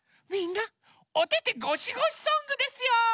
みんな「おててごしごしソング」ですよ！